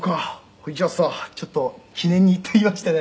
“ほいじゃあさちょっと記念に”って言いましてね